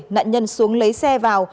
nạn nhân xuống lấy xe vào